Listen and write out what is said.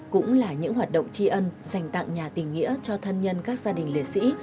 cũng là những hoạt động tri ân dành tặng nhà tình nghĩa cho thân nhân các gia đình liệt sĩ